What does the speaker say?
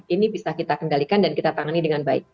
ini bisa kita kendalikan dan kita tangani dengan baik